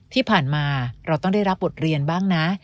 ที่ผ่านมาเราต้องได้รับบทเรียนบ้างนะ